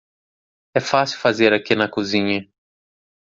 É fácil fazer aqui na cozinha.